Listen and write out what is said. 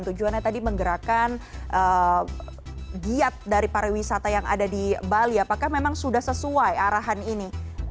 tujuannya tadi menggerakkan giat dari pariwisata yang ada di bali apakah memang sudah sesuai arahan ini